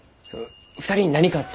２人に何かあったら！